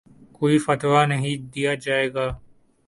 کوئی فتویٰ نہیں دیا جائے گا